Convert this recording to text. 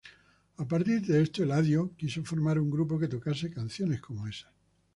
A partir de esto, Eladio quiso formar un grupo que tocase canciones como esa.